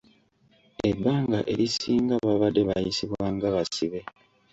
Ebbanga erisinga babadde bayisibwa nga basibe.